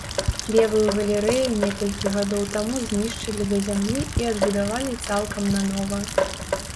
Левую галерэю некалькі гадоў таму знішчылі да зямлі і адбудавалі цалкам нанова.